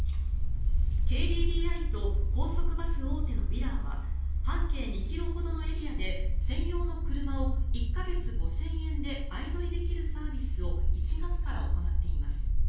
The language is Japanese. ＫＤＤＩと高速バス大手のウィラーは半径２ｋｍほどのエリアで専用の車を１か月５０００円で相乗りできるサービスを１月から行っています。